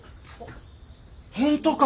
本当か！？